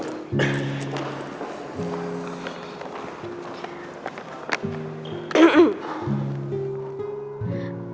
kok diem aja sih